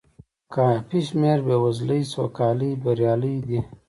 کافي شمېر بې وزلۍ سوکالۍ بریالۍ دي.